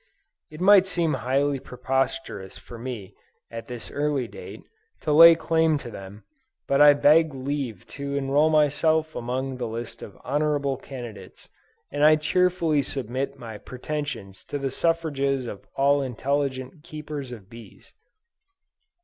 It might seem highly presumptuous for me, at this early date, to lay claim to them, but I beg leave to enroll myself among the list of honorable candidates, and I cheerfully submit my pretensions to the suffrages of all intelligent keepers of bees.